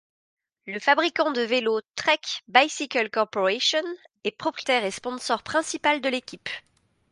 Le fabricant de vélo Trek Bicycle Corporation est propriétaire et sponsor principal de l'équipe.